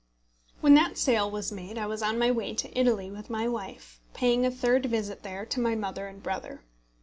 When that sale was made I was on my way to Italy with my wife, paying a third visit there to my mother and brother.